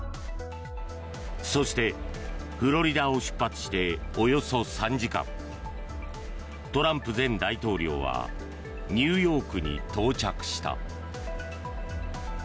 そして、フロリダを出発しておよそ３時間トランプ前大統領はニューヨークに到着した。